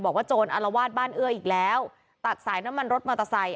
โจรอารวาสบ้านเอื้ออีกแล้วตัดสายน้ำมันรถมอเตอร์ไซค